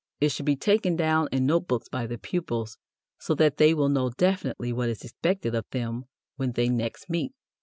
It should be taken down in note books by the pupils so that they will know definitely what is expected of them when they next meet.